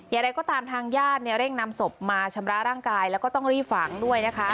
อย่างไรก็ตามทางญาติเร่งนำศพมาชำระร่างกายแล้วก็ต้องรีบฝังด้วยนะคะ